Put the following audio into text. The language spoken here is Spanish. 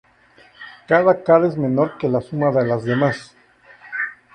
Cada cara es menor que la suma de las demás.